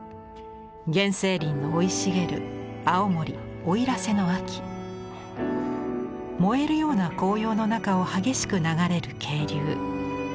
原生林の生い茂る青森燃えるような紅葉の中を激しく流れる渓流。